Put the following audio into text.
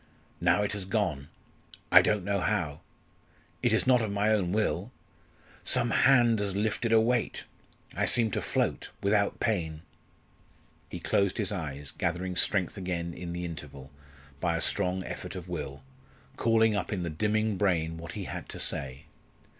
Now it has gone I don't know how. It is not of my own will some hand has lifted a weight. I seem to float without pain." He closed his eyes, gathering strength again in the interval, by a strong effort of will calling up in the dimming brain what he had to say.